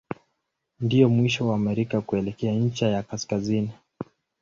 Ndio mwisho wa Amerika kuelekea ncha ya kaskazini.